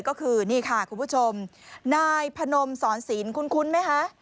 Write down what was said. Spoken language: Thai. ก็คือนี่ค่ะคุณผู้ชมนายพนมสอนศิลปุ้นไหมคะ